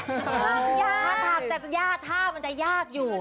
ถ้าถามแบบย่าท่ามันจะยากอยู่